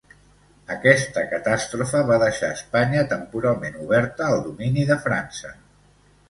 Aquesta catàstrofe va deixar Espanya temporalment oberta al domini de França.